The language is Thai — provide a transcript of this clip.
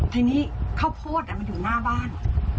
ที่นี่เข้าโพธอ่ะมันอยู่หน้าบ้าน